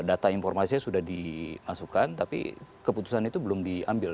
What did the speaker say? data informasinya sudah dimasukkan tapi keputusan itu belum diambil